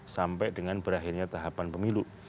sampai dengan berakhirnya tahapan pemilu